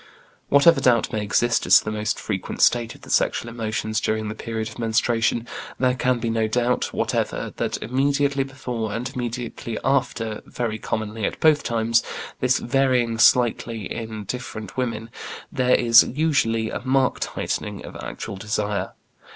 Whatever doubt may exist as to the most frequent state of the sexual emotions during the period of menstruation, there can be no doubt whatever that immediately before and immediately after, very commonly at both times, this varying slightly in different women, there is usually a marked heightening of actual desire.